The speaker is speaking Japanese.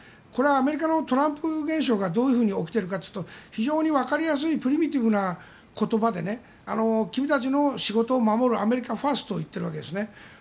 これはアメリカのトランプ現象がどういうふうに起きているかというと分かりやすいプリミティブな言葉で君たちの仕事を守るアメリカファーストを言ってるわけですね。